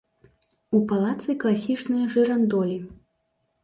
У палацы класічныя жырандолі.